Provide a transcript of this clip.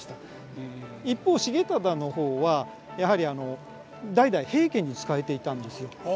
一方重忠の方はやはり代々平家に仕えていたんですよ。